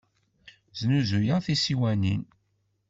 Snuzuyeɣ tisiwanin.